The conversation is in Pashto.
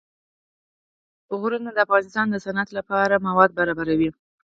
غرونه د افغانستان د صنعت لپاره مواد برابروي.